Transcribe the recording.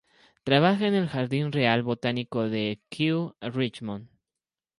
Trabaja en el Real Jardín Botánico de Kew, Richmond.